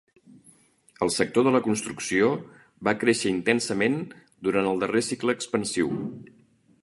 El sector de la construcció va créixer intensament durant el darrer cicle expansiu.